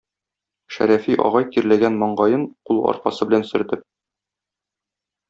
Шәрәфи агай тирләгән маңгаен кул аркасы белән сөртеп